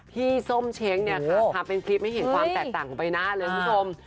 ส้มเช้งเนี่ยค่ะทำเป็นคลิปให้เห็นความแตกต่างของใบหน้าเลยคุณผู้ชม